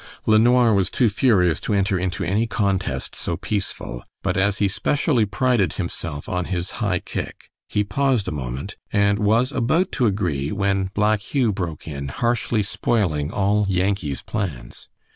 LeNoir was too furious to enter into any contest so peaceful, but as he specially prided himself on his high kick, he paused a moment and was about to agree when Black Hugh broke in, harshly, spoiling all Yankee's plans.